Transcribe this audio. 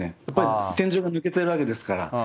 やっぱり天井が抜けてるわけですから。